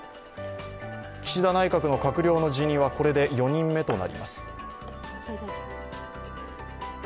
岸田内閣の閣僚の辞任はこれで４人目となります。